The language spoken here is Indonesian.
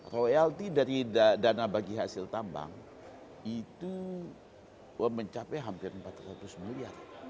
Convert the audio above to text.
royalti dari dana bagi hasil tambang itu mencapai hampir empat ratus miliar